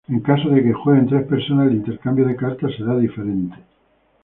En caso de que jueguen tres personas el intercambio de cartas será diferente.